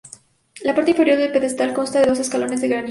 La parte inferior del pedestal consta de dos escalones de granito.